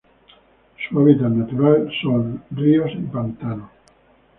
Su hábitat natural son: ríos y pantanos.